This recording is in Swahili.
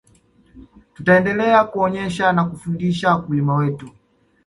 tutaendelea kuonesha na kufundisha wakulima wetu